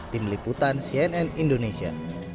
tim liputan cnn indonesia